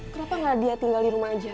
kenapa gak dia tinggal di rumah aja